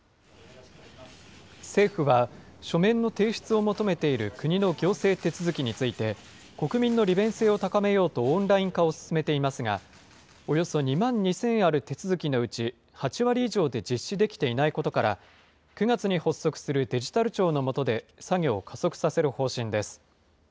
政府は、書面の提出を求めている国の行政手続きについて、国民の利便性を高めようとオンライン化を進めていますが、およそ２万２０００ある手続きのうち８割以上で実施できていないことから、９月に発足するデジタル庁のもとで作業を加速させる方針です。